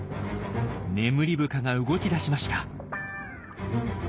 ネムリブカが動き出しました。